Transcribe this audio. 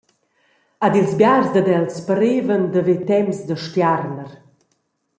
Ed ils biars dad els parevan da ver temps da stiarner.